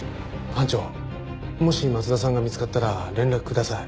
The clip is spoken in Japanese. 班長もし松田さんが見つかったら連絡ください。